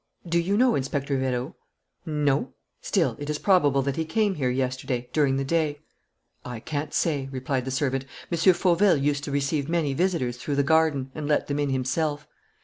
"Do you know Inspector Vérot?" "No." "Still, it is probable that he came here yesterday, during the day." "I can't say," replied the servant. "M. Fauville used to receive many visitors through the garden and let them in himself."